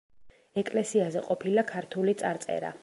ეკლესიაზე ყოფილა ქართული წარწერა.